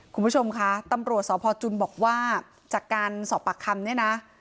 คุณผู้ชมคะตำรวจสพจุนบอกว่าจากการสอบปากคำเนี่ยนะ